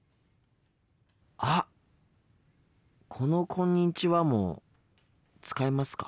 あっこの「こんにちは」も使いますか？